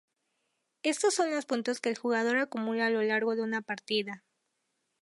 Estos son puntos que el jugador acumula a lo largo de una partida.